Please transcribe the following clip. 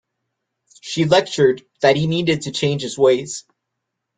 She lectured that he needed to change his ways.